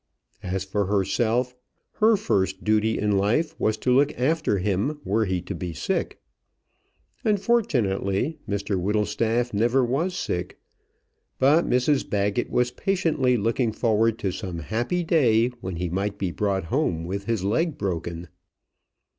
As for herself, her first duty in life was to look after him were he to be sick. Unfortunately Mr Whittlestaff never was sick, but Mrs Baggett was patiently looking forward to some happy day when he might be brought home with his leg broken.